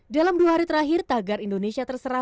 dalam dua hari terakhir tagar indonesia terserah